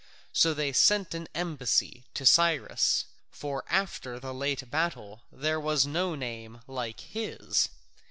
So they sent an embassy to Cyrus, for after the late battle there was no name like his.